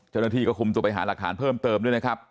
เจ้าหน้าที่ก็คุมตัวไปหาหลักฐานเพิ่มเติมด้วยนะครับ